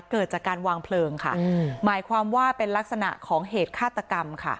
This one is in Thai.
เกิดจากการวางเพลิงค่ะหมายความว่าเป็นลักษณะของเหตุฆาตกรรมค่ะ